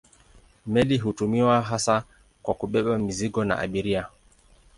Meli hutumiwa hasa kwa kubeba mizigo na abiria.